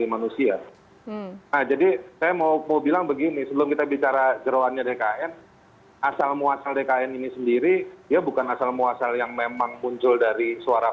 masih akan segera kembali